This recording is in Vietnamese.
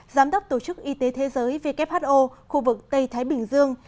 giám đốc tổ chức y tế thế giới who khu vực tây thái bình dương